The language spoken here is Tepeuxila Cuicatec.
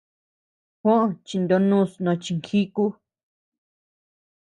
Juó chindonus no chinjíku.